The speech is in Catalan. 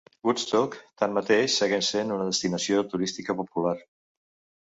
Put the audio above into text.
Woodstock, tanmateix, segueix sent una destinació turística popular.